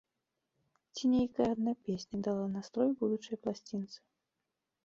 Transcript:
Ці нейкая адна песня дала настрой будучай пласцінцы?